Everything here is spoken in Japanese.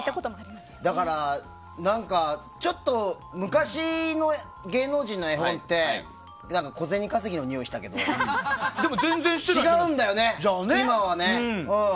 何かちょっと昔の芸能人の絵本って小銭稼ぎのにおいしたけどでも違うんだよね、今はね。